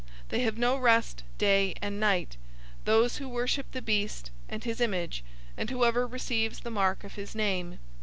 They have no rest day and night, those who worship the beast and his image, and whoever receives the mark of his name.